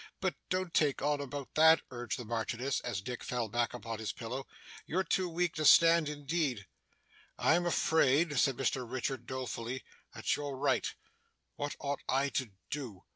But don't take on about that,' urged the Marchioness, as Dick fell back upon his pillow. 'You're too weak to stand, indeed.' 'I am afraid,' said Richard dolefully, 'that you're right. What ought I to do!